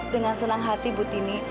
dengan senang hati butini